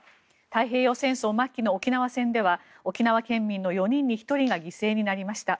太平洋戦争末期の沖縄戦では沖縄県民の４人に１人が犠牲になりました。